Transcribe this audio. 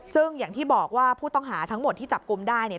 ซึ่งอย่างที่บอกว่าผู้ต้องหาทั้งหมดที่จับกลุ่มได้เนี่ย